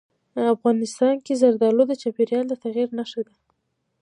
افغانستان کې زردالو د چاپېریال د تغیر نښه ده.